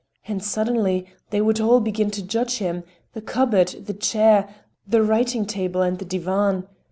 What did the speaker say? And suddenly they would all begin to judge him: the cupboard, the chair, the writing table and the divan.